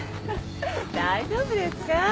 大丈夫ですか？